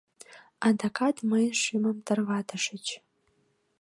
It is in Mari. Адакат мыйын шӱмым тарватышыч.